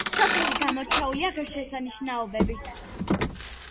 სოფელი გამორჩეულია ღირსშესანიშნაობებით.